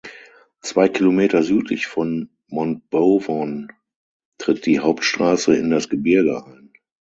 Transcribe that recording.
Zwei Kilometer südlich von Montbovon tritt die Hauptstrasse in das Gebirge ein.